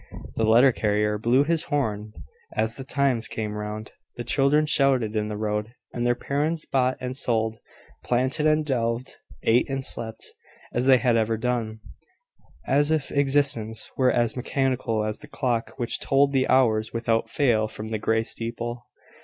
The letter carrier blew his horn as the times came round; the children shouted in the road; and their parents bought and sold, planted and delved, ate and slept, as they had ever done, and as if existence were as mechanical as the clock which told the hours without fail from the grey steeple.